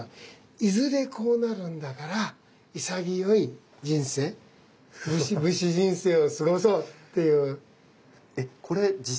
いずれこうなるんだから潔い人生武士人生を過ごそうっていう。